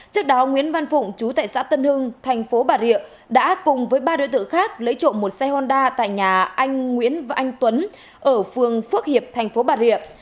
trước đó nguyễn văn phụng chú tại xã tân hưng thành phố bà rịa đã cùng với ba đối tượng khác lấy trộm một xe honda tại nhà anh nguyễn văn anh tuấn ở phường phước hiệp thành phố bà rịa